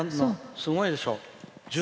すごいでしょ。